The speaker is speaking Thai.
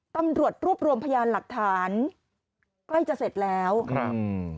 ตำรวจรวบรวมพยานหลักฐานใกล้จะเสร็จแล้วครับอืม